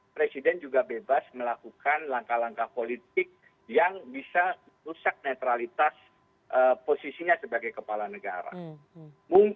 presiden juga bebas melakukan langkah langkah politik yang bisa rusak netralitas posisinya sebagai kepala negara